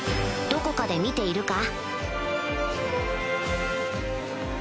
どこかで見ているか？